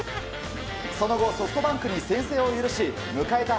その後ソフトバンクに先制を許し迎えた